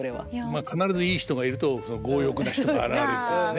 まあ必ずいい人がいると強欲な人が現れるというね。